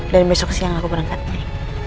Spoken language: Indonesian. dan besok siang aku berangkat nih